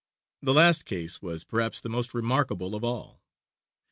The last case was, perhaps, the most remarkable of all.